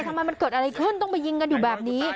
ทำไมมันเกิดอะไรขึ้นต้องมายิงกันอยู่แบบนี้